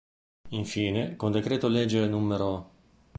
Infine, con decreto legge n.